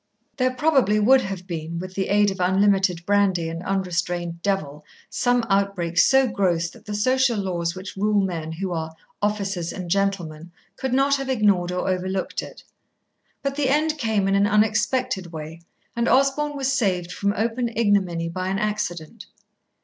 There probably would have been, with the aid of unlimited brandy and unrestrained devil, some outbreak so gross that the social laws which rule men who are "officers and gentlemen" could not have ignored or overlooked it. But the end came in an unexpected way, and Osborn was saved from open ignominy by an accident.